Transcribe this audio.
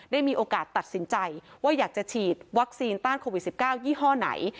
ได้มีโอกาสตัดสินใจว่าอยากจะฉีดวัคซีนต้านโควิด๑๙ยี่ห้อไหน